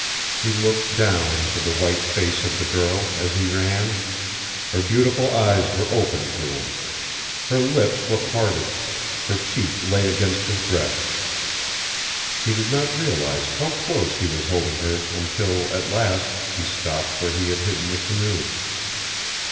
He looked down into the white face of the girl as he ran. Her beautiful eyes were open to him. Her lips were parted; her cheek lay against his breast. He did not realize how close he was holding her until, at last, he stopped where he had hidden the canoe.